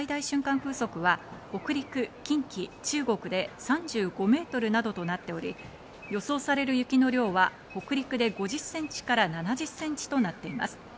風速は近畿、北陸、中国で３５メートルなどとなっており、予想される雪の量は北陸で５０センチから７０センチとなっています。